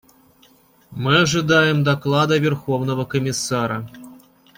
Мы ожидаем доклада Верховного комиссара.